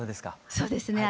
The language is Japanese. そうですね